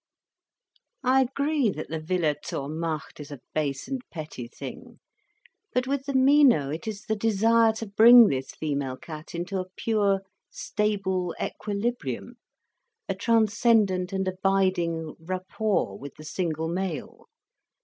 "I agree that the Wille zur Macht is a base and petty thing. But with the Mino, it is the desire to bring this female cat into a pure stable equilibrium, a transcendent and abiding rapport with the single male.